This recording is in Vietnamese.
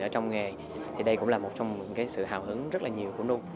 ở trong nghề thì đây cũng là một trong những sự hào hứng rất là nhiều của nung